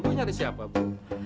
ibu nyari siapa bu